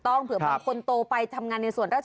อันนั้นจดหมายส่วนตัว